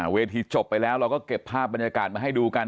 เวทีจบไปแล้วเราก็เก็บภาพบรรยากาศมาให้ดูกัน